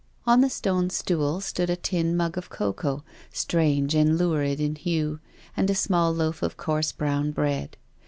On the stone stool stood a tin mug of cocoa, strange and lurid in hue, and a small loaf of coarse brown bread.